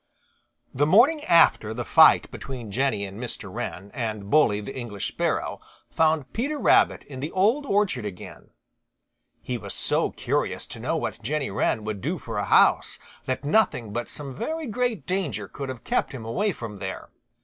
The morning after the fight between Jenny and Mr. Wren and Bully the English Sparrow found Peter Rabbit in the Old Orchard again. He was so curious to know what Jenny Wren would do for a house that nothing but some very great danger could have kept him away from there.